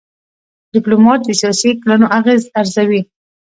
ډيپلومات د سیاسي کړنو اغېز ارزوي.